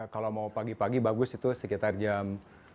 kalau mau pagi pagi bagus itu sekitar jam